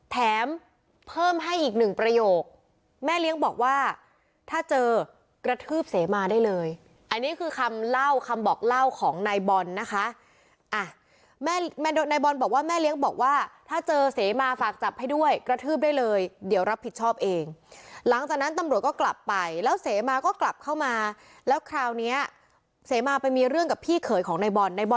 แถมเพิ่มให้อีกหนึ่งประโยคแม่เลี้ยงบอกว่าถ้าเจอกระทืบเสมาได้เลยอันนี้คือคำเล่าคำบอกเล่าของนายบอลนะคะอ่ะแม่นายบอลบอกว่าแม่เลี้ยงบอกว่าถ้าเจอเสมาฝากจับให้ด้วยกระทืบได้เลยเดี๋ยวรับผิดชอบเองหลังจากนั้นตำรวจก็กลับไปแล้วเสมาก็กลับเข้ามาแล้วคราวเนี้ยเสมาไปมีเรื่องกับพี่เขยของนายบอลในบอล